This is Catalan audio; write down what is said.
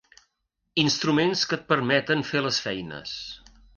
Instruments que et permeten fer les feines.